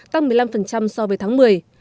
tăng một mươi năm so với tháng một mươi